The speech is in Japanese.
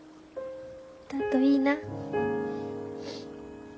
だといいな。